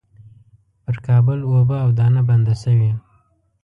پر کابل اوبه او دانه بنده شوې.